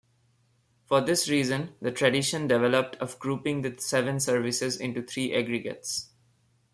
For this reason, the tradition developed of grouping the seven services into three aggregates.